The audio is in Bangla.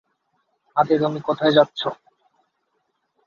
আরে, তুমি কোথায় যাচ্ছ?